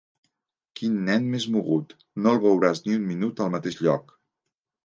Quin nen més mogut: no el veuràs ni un minut al mateix lloc.